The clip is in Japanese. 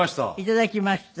頂きました。